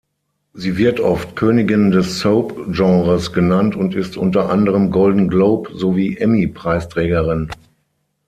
Sie wird oft „Königin des Soap-Genres“ genannt und ist unter anderem Golden-Globe- sowie Emmy-Preisträgerin.